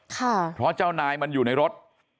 เพราะเจ้านายมันอยู่ในรถ